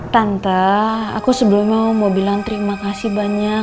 tanta aku sebelumnya mau bilang terima kasih banyak